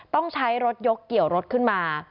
ต้องใช้รถยกเกี่ยวรถขึ้นมา